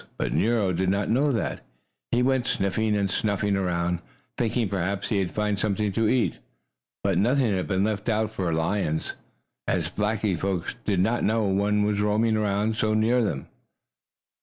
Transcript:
But Nero did not know that. He went sniffing and snuffing around, thinking perhaps he could find something to eat, but nothing had been left out for lions, as Blackie's folks did not know one was roaming about so near them.